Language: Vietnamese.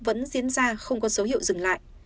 vẫn diễn ra không có dấu hiệu dừng lại